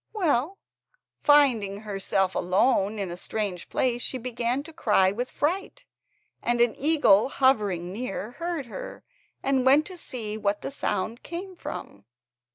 Well, finding herself left alone in a strange place she began to cry with fright, and an eagle hovering near, heard her, and went to see what the sound came from.